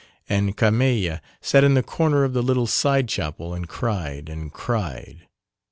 And Carmeille sat in the corner of the little side chapel and cried, and cried.